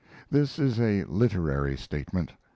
This is a literary statement.